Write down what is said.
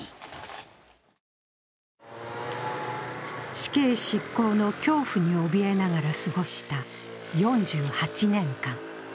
死刑執行の恐怖に怯えながら過ごした４８年間。